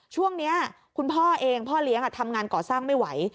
ช่วงนี้คุณพ่อเองพ่อเลี้ยงทำงานก่อสร้างไม่ไหว